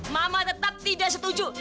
mama tetap tidak setuju